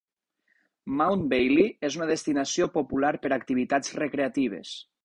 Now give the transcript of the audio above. Mount Bailey és una destinació popular per a activitats recreatives.